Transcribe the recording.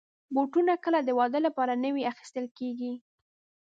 بوټونه کله د واده لپاره نوي اخیستل کېږي.